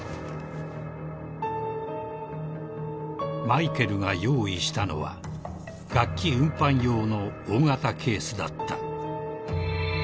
［マイケルが用意したのは楽器運搬用の大型ケースだった］